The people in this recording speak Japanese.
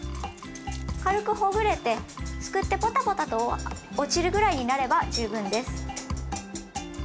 軽くほぐれてすくってポタポタと落ちるぐらいになれば十分です。